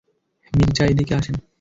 মির্জা, এইদিকে আসেন।